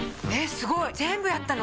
すごい全部やったの？